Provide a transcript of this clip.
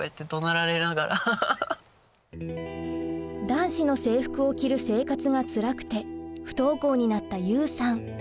男子の制服を着る生活がつらくて不登校になったユウさん。